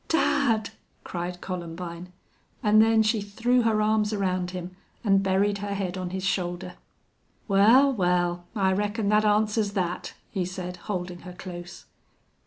"Dad!" cried Columbine, and then she threw her arms around him and buried her head on his shoulder. "Wal, wal, I reckon that answers that," he said, holding her close.